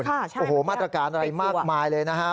ใช่ไหมครับเด็กกลัวโอ้โหมาตรการอะไรมากมายเลยนะฮะ